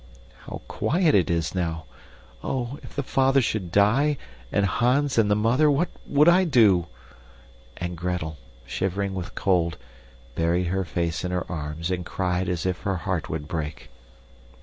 How quiet it is now! Oh, if the father should die, and Hans, and the mother, what WOULD I do? And Gretel, shivering with cold, buried her face in her arms and cried as if her heart would break.